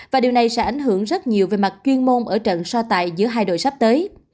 và điều này sẽ ảnh hưởng rất nhiều về mặt chuyên môn ở trận so tài giữa hai đội sắp tới